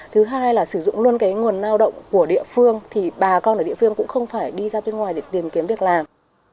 thứ hai là sử dụng luôn cái nguồn lao động của địa phương thì bà con ở địa phương cũng không phải đi ra bên ngoài để tìm kiếm việc làm